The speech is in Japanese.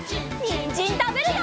にんじんたべるよ！